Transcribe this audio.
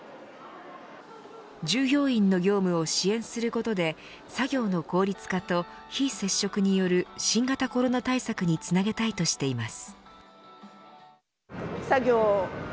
従業員の業務を支援することで作業の効率化と非接触による新型コロナ対策につなげたいとしています。